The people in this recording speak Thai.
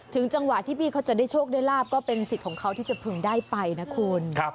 ถึงจังหวะที่พี่เขาจะได้โชคเป็นศิษย์ของเขาที่จะพึงได้ไปนะคุณ